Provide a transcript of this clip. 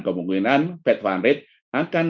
kemungkinan fed fund rate akan